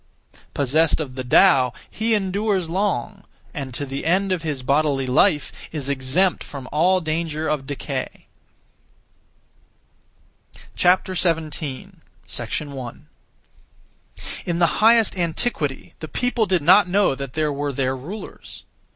Possessed of the Tao, he endures long; and to the end of his bodily life, is exempt from all danger of decay. 17. 1. In the highest antiquity, (the people) did not know that there were (their rulers).